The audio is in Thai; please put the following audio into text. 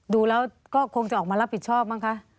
ดูแล้วก็คงจะออกมารับผิดชอบมั้งคะ